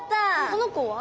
この子は？